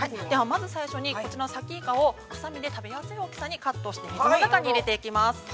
◆まず最初に、こっちのさきイカをはさみで食べやすい大きさにカットして、この中に入れていきます。